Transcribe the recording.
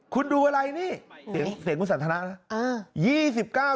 คุณดูอะไรนี่เสียงคุณสันทนานะ